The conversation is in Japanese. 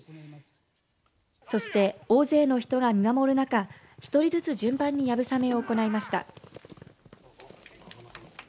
そして大勢の人が見守る中１人ずつ順番にやぶさめを行いました。